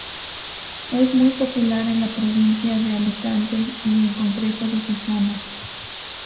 Es muy popular en la provincia de Alicante y en concreto de Jijona.